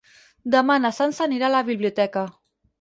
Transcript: Demà na Sança anirà a la biblioteca.